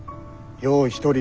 よう一人で。